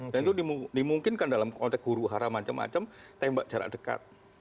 dan itu dimungkinkan dalam konteks huru haram macam macam tembak jarak dekat